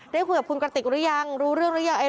ได้คุยกับคุณกระติกหรือยังรู้เรื่องหรือยัง